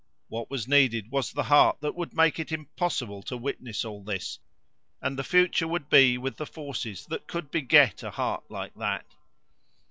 what was needed was the heart that would make it impossible to witness all this; and the future would be with the forces that could beget a heart like that.